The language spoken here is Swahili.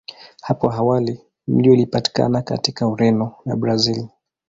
Hapo awali Milo ilipatikana katika Ureno na Brazili.